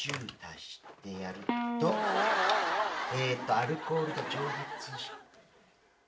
アルコールが蒸発。